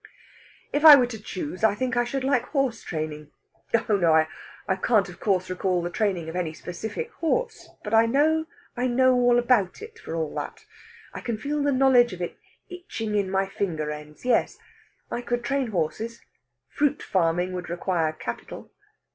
"If I were to choose, I think I should like horse training.... Oh no, of course I can't recall the training of any specific horse. But I know I know all about it, for all that. I can feel the knowledge of it itching in my finger ends. Yes I could train horses. Fruit farming would require capital."